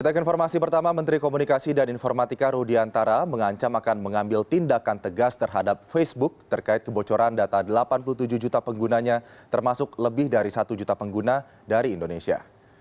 kita ke informasi pertama menteri komunikasi dan informatika rudiantara mengancam akan mengambil tindakan tegas terhadap facebook terkait kebocoran data delapan puluh tujuh juta penggunanya termasuk lebih dari satu juta pengguna dari indonesia